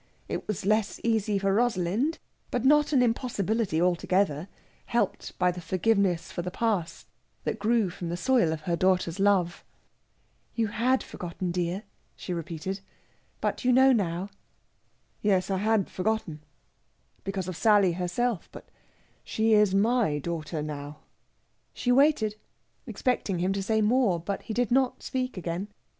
It was less easy for Rosalind, but not an impossibility altogether, helped by the forgiveness for the past that grew from the soil of her daughter's love. "You had forgotten, dear," she repeated; "but you know now." "Yes, I had forgotten, because of Sally herself; but she is my daughter now...." She waited, expecting him to say more; but he did not speak again.